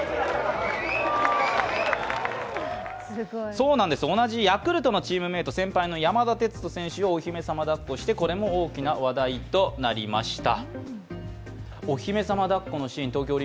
そうなんです、同じヤクルトのチームメイト、先輩の山田哲人選手をお姫様だっこして、これも大きな話題となりました。